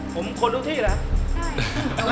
ผมคนทุกที่แหละ